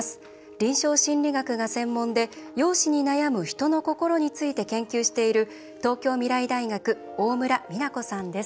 臨床心理学が専門で容姿に悩む人の心について研究している東京未来大学大村美菜子さんです。